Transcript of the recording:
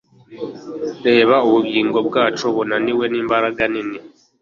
reba ubugingo bwacu bunaniwe nimbaraga nini